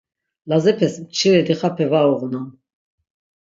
Lazepes mçire dixape var uğunan.